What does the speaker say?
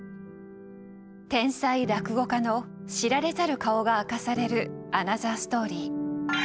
天才落語家の知られざる顔が明かされるアナザーストーリー。